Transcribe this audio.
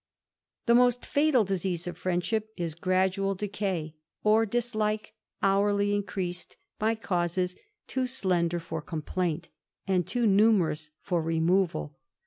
«5 The most fatal disease of friendship is gradual decay, or dislike hourly increased by causes too slender for complaint, and too numerous for removal.